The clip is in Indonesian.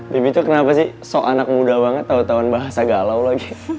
bibi tuh kenapa sih sok anak muda banget tau tauan bahasa galau lagi